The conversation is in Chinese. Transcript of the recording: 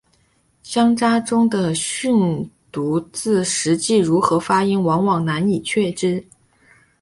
乡札中的训读字实际如何发音往往难以确知。